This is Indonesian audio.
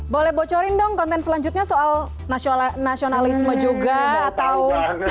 boleh bocorin dong konten selanjutnya soal nasionalisme juga atau